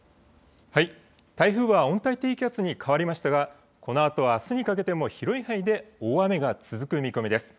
台風は温帯低気圧に変わりましたが、このあとはあすにかけても広い範囲で大雨が続く見込みです。